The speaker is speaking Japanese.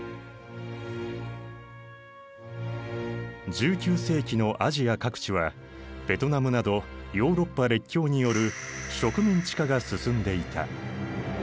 １９世紀のアジア各地はベトナムなどヨーロッパ列強による植民地化が進んでいた。